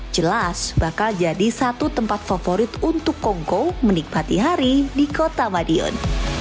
jelas bakal jadi satu tempat favorit untuk kongko menikmati hari di kota madiun